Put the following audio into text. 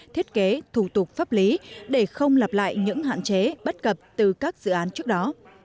thiết kế thủ tục pháp lý để không lặp lại những hạn chế bất cập từ các dự án trước đó